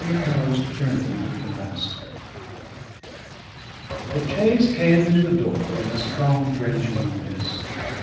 MACKELLAR'S JOURNEY WITH THE MASTER The chaise came to the door in a strong drenching mist.